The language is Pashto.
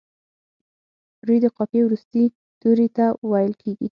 روي د قافیې وروستي توري ته ویل کیږي.